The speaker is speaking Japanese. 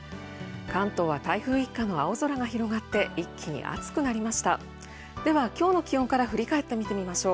関東は台風一過の青空が広がって一気に暑くなりました。